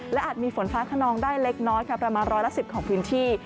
และอาจมีฝนฟ้าขนองได้เล็กน้อยค่ะประมาณร้อยละ๑๐ของพื้นที่